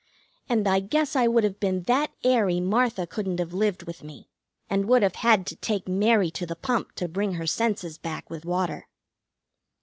And I guess I would have been that airy Martha couldn't have lived with me, and would have had to take Mary to the pump to bring her senses back with water.